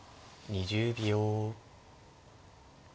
２０秒。